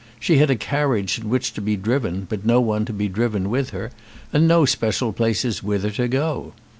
She had a carriage in which to be driven, but no one to be driven with her, and no special places whither to go.